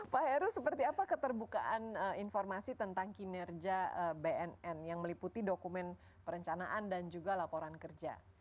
pak heru seperti apa keterbukaan informasi tentang kinerja bnn yang meliputi dokumen perencanaan dan juga laporan kerja